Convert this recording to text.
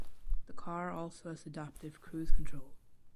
The car also has adaptive cruise control.